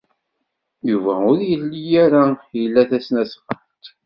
Yuba ur yelli ara ila tasnasɣalt.